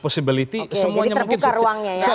oke jadi terbuka ruangnya ya